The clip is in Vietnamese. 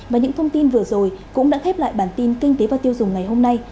và những thông tin vừa rồi cũng đã khép lại bản tin kinh tế và tiêu dùng ngày hôm nay